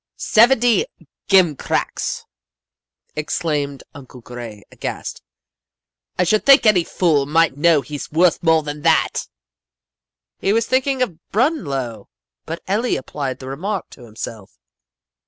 "'Seventy gim cracks!' exclaimed Uncle Gray, aghast. 'I should think any fool might know he's worth more than that.' "He was thinking of Brunlow, but Eli applied the remark to himself.